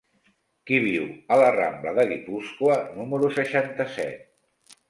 Qui viu a la rambla de Guipúscoa número seixanta-set?